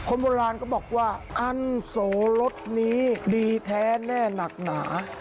คนโบราณก็บอกว่าอันโสรสนี้ดีแท้แน่หนักหนา